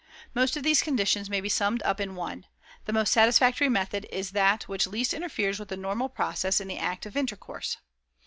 Most of these conditions may be summed up in one: the most satisfactory method is that which least interferes with the normal process in the act of intercourse.